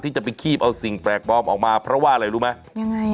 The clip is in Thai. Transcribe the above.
จะไปคีบเอาสิ่งแปลกปลอมออกมาเพราะว่าอะไรรู้ไหมยังไง